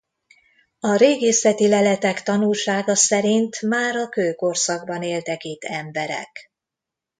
A régészeti leletek tanúsága szerint már a kőkorszakban éltek itt emberek.